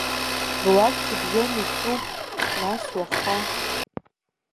Руак шьыбжьон ижәтәуп, нас уаха.